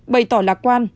bày tỏ lạc quan